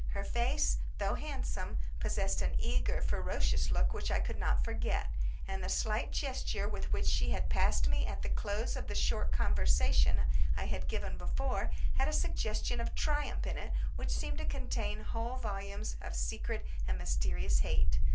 Her face, though handsome, possessed an eager, ferocious look which I could not forget, and the slight gesture with which she had passed me at the close of the short conversation I have given above had a suggestion of triumph in it which seemed to contain whole volumes of secret and mysterious hate.